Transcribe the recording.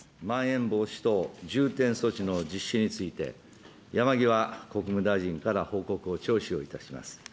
まん延防止等重点措置の実施について、山際国務大臣から報告を聴取をいたします。